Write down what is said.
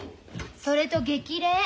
それと激励。